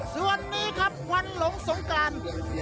สวัสดีครับวันหลงสงกรรม